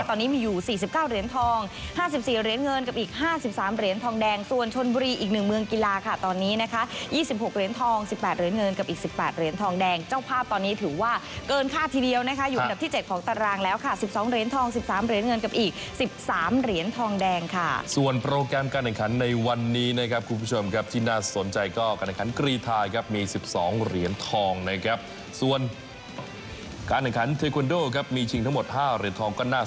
ตอนนี้มีอยู่สี่สิบเก้าเหรียญทองห้าสิบสี่เหรียญเงินกับอีกห้าสิบสามเหรียญทองแดงส่วนชนบุรีอีกหนึ่งเมืองกีฬาค่ะตอนนี้นะคะยี่สิบหกเหรียญทองสิบแปดเหรียญเงินกับอีกสิบแปดเหรียญทองแดงเจ้าภาพตอนนี้ถือว่าเกินค่าทีเดียวนะคะอยู่อันดับที่เจ็ดของตารางแล้วค่ะสิบสองเหรียญทองสิ